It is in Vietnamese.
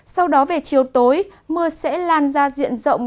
sau đó về chiều tối mưa sẽ lan ra diện rộng